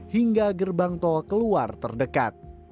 hingga gerbang tol keluar terdekat